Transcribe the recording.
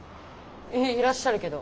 いらっしゃるけど。